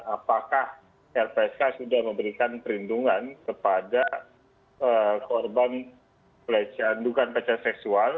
apakah lpsk sudah memberikan perlindungan kepada korban pelecehan bukan pelecehan seksual